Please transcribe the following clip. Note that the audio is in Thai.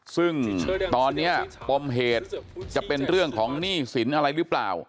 ซึ่งตอนนี้ปมเหตุจะเป็นเรื่องของหนี้สินอะไรหรือเปล่า